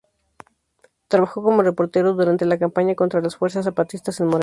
Trabajó como reportero durante la campaña contra las fuerzas zapatistas en Morelos.